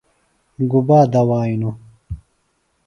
گُبا دوائنوۡ؟